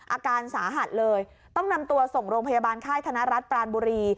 อาการสาหัสเลยต้องนำตัวส่งโรงพยาบาลค่ายธนรัฐปรานบุรี